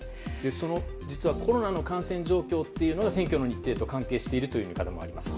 実はコロナの感染状況が選挙の日程と関係しているという見方もあります。